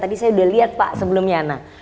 tadi saya sudah lihat pak sebelumnya